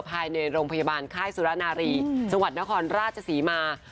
ภายในโรงพยาบาลค่ายสุรนารีจังหวัดนครราชศรีมา